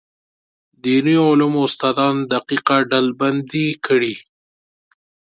دیني علومو استادان دقیقه ډلبندي کړي.